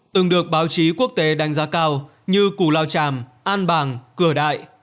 từng được báo chí quốc tế đánh giá cao như củ lao tràm an bàng cửa đại